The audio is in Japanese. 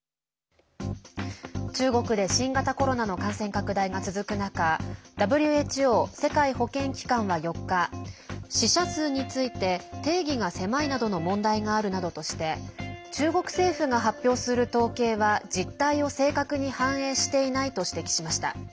中国で新型コロナの感染拡大が続く中ＷＨＯ＝世界保健機関は４日死者数について定義が狭いなどの問題があるなどとして中国政府が発表する統計は実態を正確に反映していないと指摘しました。